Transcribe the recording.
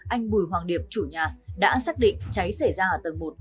anh bùi hoàng điệp chủ nhà đã xác định cháy xảy ra ở tầng một